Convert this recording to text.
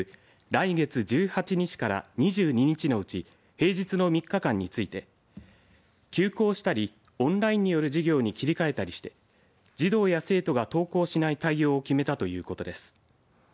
来月１８日から２２日のうち平日の３日間について休校したりオンラインによる授業に切り替えたりして児童や生徒が登校しない対応を決めたということです。